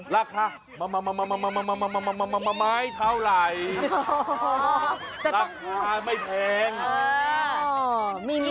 รักคร๊ะไม่ใหม่เท่าไหร่